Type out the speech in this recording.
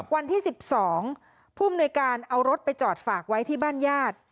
วันที่๑๒ผู้อำนวยการเอารถไปจอดฝากไว้ที่บ้านญาติ